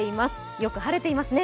よく晴れていますね。